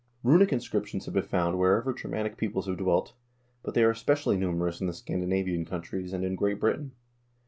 2 Runic inscriptions have been found wherever Germanic peoples have dwelt, but they are especially numerous in the Scandinavian countries, and in Great Britain.